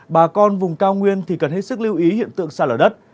bà con vùng cao nguyên thì cần hết sức lưu ý hiện tượng xa lở đất